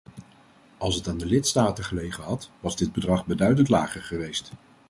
Als het aan de lidstaten gelegen had, was dit bedrag beduidend lager geweest.